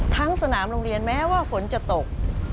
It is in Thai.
ทั้งสนามโรงเรียนแม้ว่าฝนจะตก